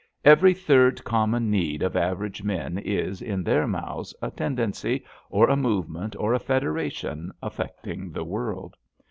Every third common need of average men is, in their mouths, a tendency or a movement or a federation affecting the world.